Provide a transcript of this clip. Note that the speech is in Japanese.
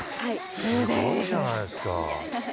すごいじゃないですか。